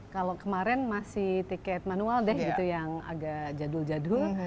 kalau kemarin masih tiket manual deh gitu yang agak jadul jadul